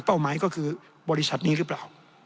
หมายก็คือบริษัทนี้หรือเปล่า